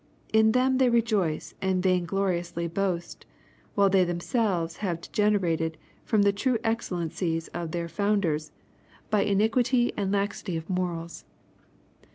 In them they rejoice and vain gloriously boast, while they themselves have degenerated &om the true excellencies of their founders, bj in* u EXPOSITOBT THOUGHTS. iquitj and laxity of morals.